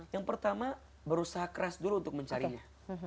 yang pertama berusaha keras dulu untuk mencarinya